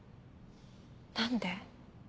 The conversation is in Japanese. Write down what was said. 何で？